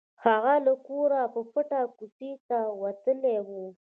هغه له کوره په پټه کوڅې ته وتلی و